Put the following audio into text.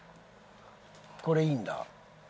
これいいんだ？